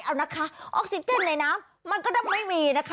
เอานะคะออกซิเจนในน้ำมันก็จะไม่มีนะคะ